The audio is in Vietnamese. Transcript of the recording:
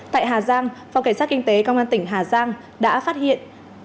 tại hà giang phòng cảnh sát kinh tế công an tỉnh hà giang đã phát hiện